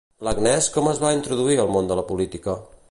L'Agnès com es va introduir al món de la política?